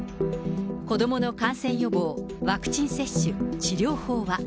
子どもの感染予防、ワクチン接種、治療法は。